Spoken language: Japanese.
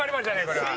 これは。